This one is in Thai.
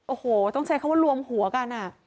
โอ้โหต้องใช้คำว่ารวมหัวกัน